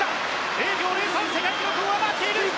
０秒０３世界記録を上回っている！